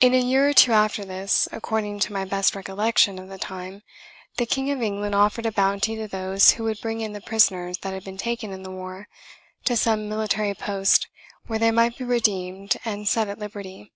In a year or two after this, according to my best recollection of the time, the King of England offered a bounty to those who would bring in the prisoners that had been taken in the war, to some military post where they might be redeemed and set at liberty.